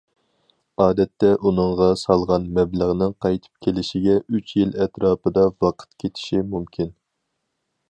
ئادەتتە، ئۇنىڭغا سالغان مەبلەغنىڭ قايتىپ كېلىشىگە ئۈچ يىل ئەتراپىدا ۋاقىت كېتىشى مۇمكىن.